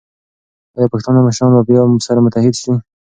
ایا پښتانه مشران به بیا سره متحد شي؟